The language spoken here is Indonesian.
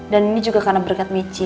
dan ini juga karena berkat michi